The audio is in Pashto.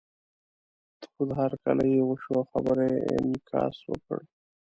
تود هرکلی یې وشو او خبرو یې انعکاس وکړ.